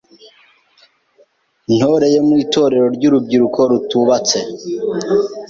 Intore yo mu Itorero ry’urubyiruko rutubatse